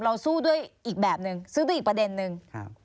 สู้ด้วยอีกแบบนึงซึ่งด้วยอีกประเด็นนึง